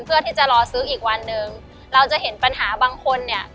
เพื่อที่จะรอซื้ออีกวันหนึ่งเราจะเห็นปัญหาบางคนเนี่ย